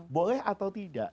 boleh atau tidak